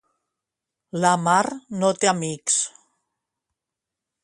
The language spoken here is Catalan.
La mar no té amics.